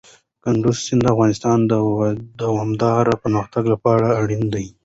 کندز سیند د افغانستان د دوامداره پرمختګ لپاره اړین دي.